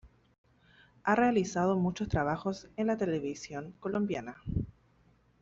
Ha realizado muchos trabajos en la televisión colombiana.